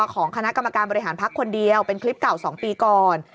ของคณะกรรมการบริหารพักคนเดียวเป็นคลิปเก่า๒ปีก่อน